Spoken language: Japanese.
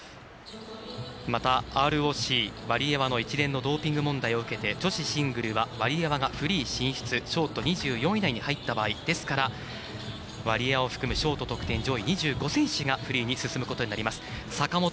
また、ＲＯＣ、ワリエワのドーピング問題を受けて女子シングルはワリエワがフリー進出ショート２４位以内に入った場合ですから、ワリエワを含むショート得点上位２５選手がフリーに進むことになります。